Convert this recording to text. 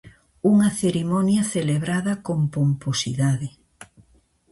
Unha cerimonia celebrada con pomposidade.